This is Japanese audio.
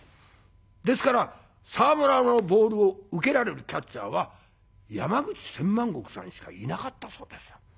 ですから沢村のボールを受けられるキャッチャーは山口千万石さんしかいなかったそうですよ。